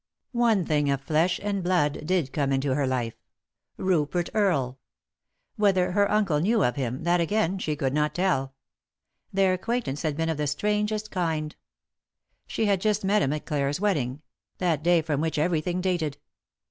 One thing of flesh and blood did come into her lite — Rupert Earle ; whether her uncle knew of him, that again, she could not tell. Their acquaintance had been of the strangest kind. She had just met him at Clare's wedding; that day from which everything dated.